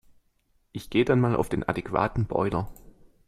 Ich geh' dann mal auf den adequaten Boiler.